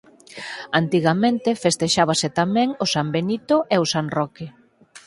Antigamente festexábase tamén o San Benito e o San Roque.